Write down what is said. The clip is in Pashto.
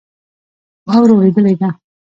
واوره اوریدلی ده